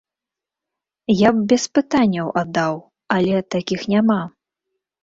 Я б без пытанняў аддаў, але такіх няма.